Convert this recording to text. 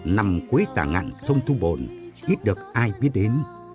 nằm cuối tà ngạn sông thu bồn ít được ai biết đến